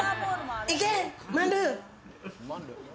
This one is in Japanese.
いけ、マンル。